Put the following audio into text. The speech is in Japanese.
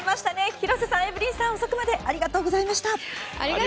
広瀬さん、エブリンさん遅くまでありがとうございました。